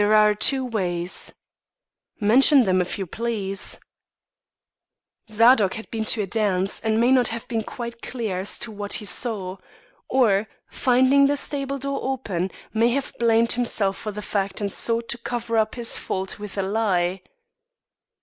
"There are two ways." "Mention them, if you please." "Zadok had been to a dance, and may not have been quite clear as to what he saw. Or, finding the stable door open, may have blamed himself for the fact and sought to cover up his fault with a lie."